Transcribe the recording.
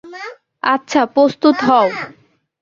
আচ্ছা, প্রস্তুত হও!